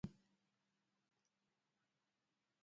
آیا په کندهار کې د سمنټو فابریکه جوړیږي؟